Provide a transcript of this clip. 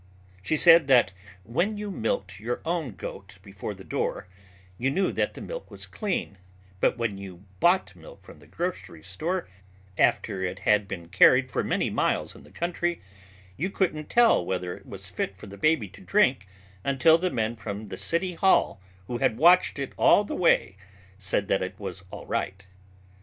She said that when you milked your own goat before the door, you knew that the milk was clean, but when you bought milk from the grocery store after it had been carried for many miles in the country, you couldn't tell whether it was fit for the baby to drink until the men from the City Hall who had watched it all the way said that it was all right.